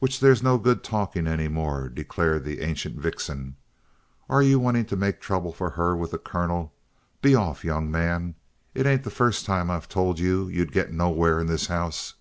"Which there's no good talking any more," declared the ancient vixen. "Are you wanting to make trouble for her with the colonel? Be off, young man. It ain't the first time I've told you you'd get nowhere in this house!"